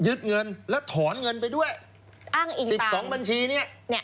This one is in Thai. ยึดเงินและถอนเงินไปด้วย๑๒บัญชีเนี่ยอ้างอิงตาม